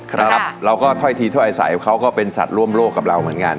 ครับเราก็ถ้อยทีถ้อยใสเขาก็เป็นสัตว์ร่วมโลกกับเราเหมือนกัน